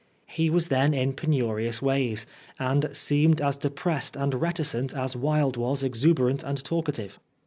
He was then in penurious days, and seemed as depressed and reticent as Wilde was exuberant and talkative.